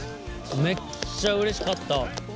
めっちゃうれしかった。